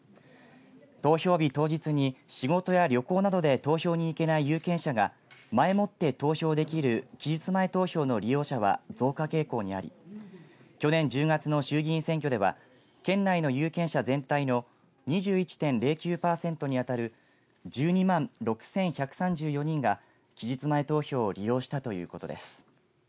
投票日当日に仕事や旅行などで投票に行けない有権者が前もって投票できる期日前投票の利用者は増加傾向にあり去年１０月の衆議院選挙では県内の有権者全体の２１．０９％に当たる１２万６１３４人が期日前投票を利用したということです。